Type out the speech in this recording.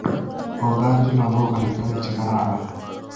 Ogochi lagook amitwogik chegororon